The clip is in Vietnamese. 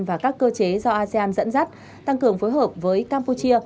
và các cơ chế do asean dẫn dắt tăng cường phối hợp với campuchia